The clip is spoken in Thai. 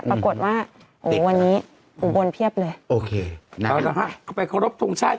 ปรากฏว่าโอ้ววันนี้อุบลเพียบเลย